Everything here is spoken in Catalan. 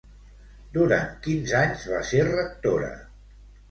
Durant quins anys va ser rectora?